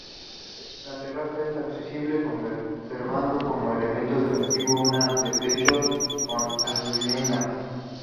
La terraza es accesible conservando como elemento defensivo un antepecho con almenas.